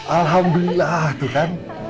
alhamdulillah tuh kan